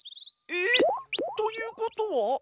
えっ？ということは。